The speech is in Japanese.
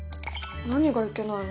何がいけないの？